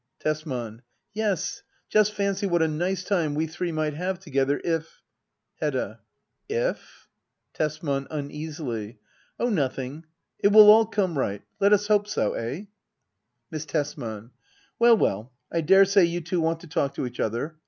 Tesman. Yes, just fancy what a nice time we three might have together, if ? If ? Hedda. Tesman. [Uneasily,] Oh, nothing. It will all come right Let us hope so— eh } Miss Tesman. Well well, I daresay you two want to talk to each other.